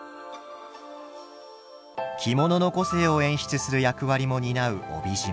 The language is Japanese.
着物の個性を演出する役割も担う帯締め。